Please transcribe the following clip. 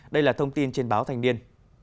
đây là thông tin trên báo thành niên